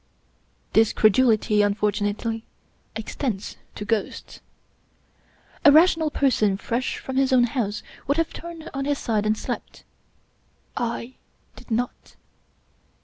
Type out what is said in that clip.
This credulity, unfortunately, extends to ghosts. A ra tional person fresh from his own house would have turned on his side and slept. I did not.